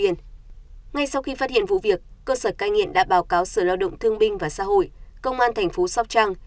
ngay sau khi phát hiện vụ việc cơ sở cai nghiện đã báo cáo sở lao động thương binh và xã hội công an thành phố sóc trăng